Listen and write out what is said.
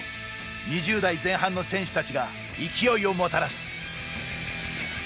２０代前半の選手たちが勢いをもたらす。